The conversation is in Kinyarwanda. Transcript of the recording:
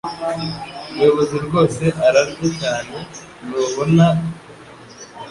Umuyobozi rwose ararya cyane, ntubona ko?